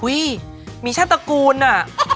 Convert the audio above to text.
อุ๊ยมีชาตากูลน่ะ